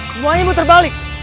semuanya muter balik